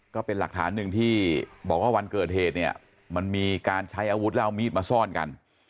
ก็เป็นหลักฐานหนึ่งที่บอกว่าวันเกิดเหตุเนี่ยมันมีการใช้อาวุธแล้วเอามีดมาซ่อนกัน